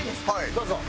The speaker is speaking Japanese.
どうぞ。